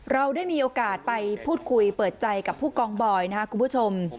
เราได้มีโอกาสไปพูดคุยเปิดใจกับผู้กองบอยนะครับคุณผู้ชม